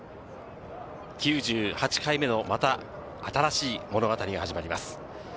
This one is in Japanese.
９８回目の、また新しい物語が始まります。